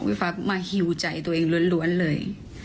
พี่ฟ้ามาฮิวใจตัวเองล้วนเลย